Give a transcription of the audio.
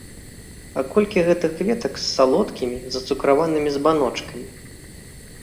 А колькі гэтых кветак з салодкімі, зацукраванымі збаночкамі!